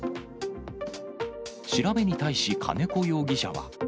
調べに対し金子容疑者は。